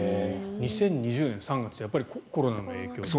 ２０２０年３月やっぱりコロナの影響が。